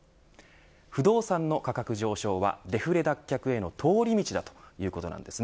不動産の価格上昇はデフレ脱却への通り道だということなんです。